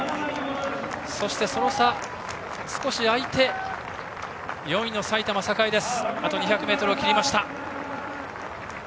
そして、その差が少し開いて４位の埼玉栄です。